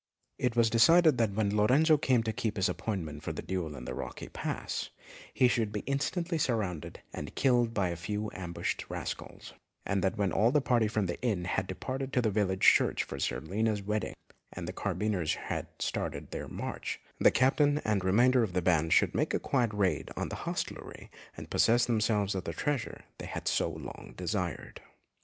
It was decided that when Lorenzo came to keep his appointment for the duel in the rocky pass, he should be instantly surrounded and killed by a few ambushed rascals, and that when all the party from the inn had departed to the village church for Zerlina's wedding, and the carbineers had started on their march, the captain and remainder of the band should make a quiet raid on the hostelry and possess themselves of the treasure they had so long desired.